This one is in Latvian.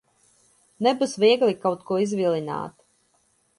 Nebūs viegli kaut ko izvilināt.